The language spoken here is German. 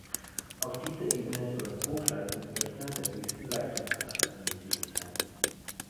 Auf dieser Ebene sollen Hochleistungsrechner der höchsten Leistungsklasse angesiedelt sein.